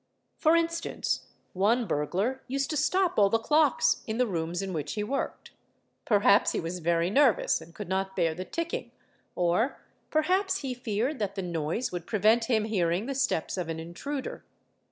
For instance one burglar used to stop all the _ clocks in the rooms in which he worked: perhaps he was very nervous and could not bear the ticking or perhaps he feared that the noise would prevent him hearing the steps of an intruder.